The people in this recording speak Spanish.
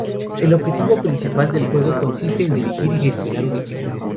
El objetivo principal del juego consiste en dirigir y gestionar un equipo.